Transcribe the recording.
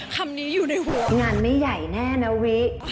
คำนี้อยู่ในหัว